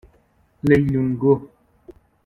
لیلونگوه